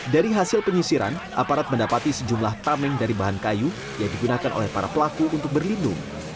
dari hasil penyisiran aparat mendapati sejumlah tameng dari bahan kayu yang digunakan oleh para pelaku untuk berlindung